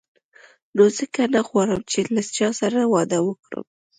نو ځکه زه نه غواړم چې له چا سره واده وکړم.